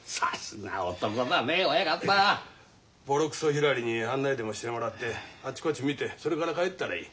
ひらりに案内でもしてもらってあっちこっち見てそれから帰ったらいい。